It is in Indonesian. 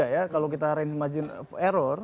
ya kalau kita range margin of error